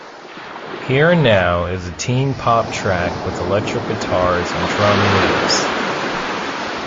"Here and Now" is a teen pop track with electric guitars and drum loops.